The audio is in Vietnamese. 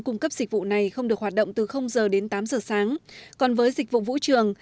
cung cấp dịch vụ này không được hoạt động từ giờ đến tám giờ sáng còn với dịch vụ vũ trường